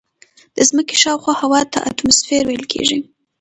د ځمکې شاوخوا هوا ته اتموسفیر ویل کیږي.